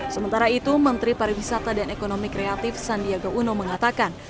sementara itu menteri pariwisata dan ekonomi kreatif sandiaga uno mengatakan